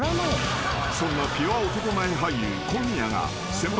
［そんなピュア男前俳優小宮が先輩